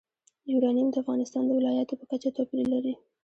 یورانیم د افغانستان د ولایاتو په کچه توپیر لري.